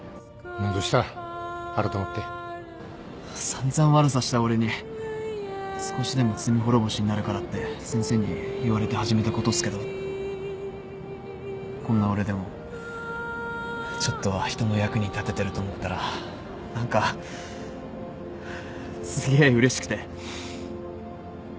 散々悪さした俺に少しでも罪滅ぼしになるからって先生に言われて始めたことっすけどこんな俺でもちょっとは人の役に立ててると思ったら何かすげえうれしくて